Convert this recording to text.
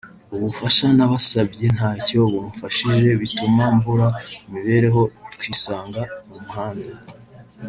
ubufasha nabasabye ntacyo bamfashije bituma mbura imibereho twisanga mu muhanda